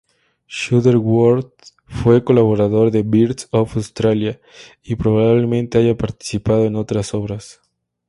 Shuttleworth fue colaborador de "‘Birds of Australia’" y probablemente haya participado de otras obras.